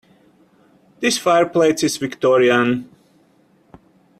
This fireplace is Victorian.